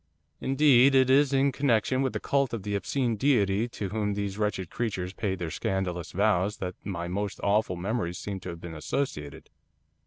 'Indeed it is in connection with the cult of the obscene deity to whom these wretched creatures paid their scandalous vows that my most awful memories seem to have been associated.